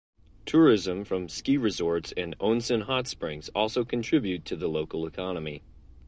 Tourism from ski resorts and onsen hot springs also contribute to the local economy.